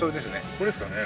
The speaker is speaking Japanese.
これですかね？